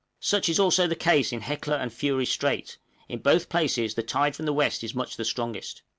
Such is also the case in Hecla and Fury Strait; in both places the tide from the west is much the strongest.